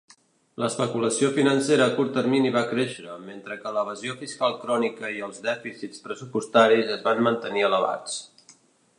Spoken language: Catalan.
L'especulació financera a curt termini va créixer, mentre que l'evasió fiscal crònica i els dèficits pressupostaris es van mantenir elevats.